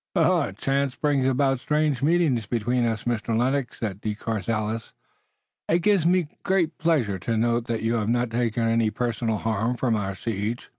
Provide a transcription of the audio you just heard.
"Chance brings about strange meetings between us, Mr. Lennox," said De Courcelles. "It gives me pleasure to note that you have not yet taken any personal harm from our siege."